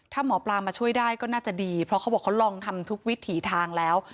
ถ้าหมอปลามาช่วยได้ก็น่าจะดีเพราะเขาบอกเขาลองทำทุกวิถีทางแล้ว